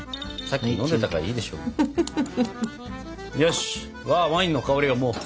さっき飲んでたからいいでしょもう。